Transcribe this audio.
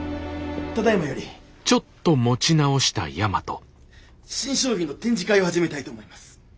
ただいまより新商品の展示会を始めたいと思います。